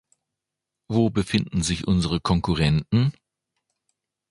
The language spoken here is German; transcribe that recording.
Wo befinden sich unsere Konkurrenten?